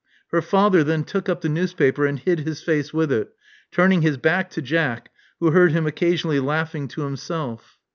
Her father then took up the newspaper, and hid his face with it, turning his back to Jack, who heard him occasionally laughing to himself.